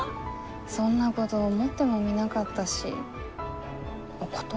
そんなごど思ってもみなかったしお断りしようかと。